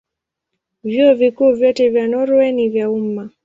Vyuo Vikuu vyote vya Norwei ni vya umma.